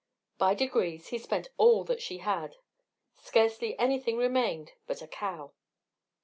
By degrees, he spent all that she had scarcely anything remained but a cow.